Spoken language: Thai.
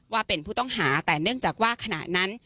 ว่าเป็นผู้ต้องหาแต่เนื่องจากว่าขณะนั้น